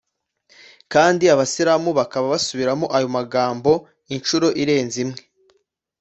kandi abisilamu bakaba basubiramo ayo magambo incuro irenze imwe